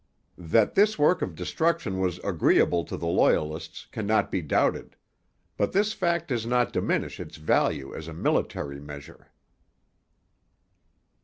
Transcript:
That this work of destruction was agreeable to the Loyalists cannot be doubted; but this fact does not diminish its value as a military measure.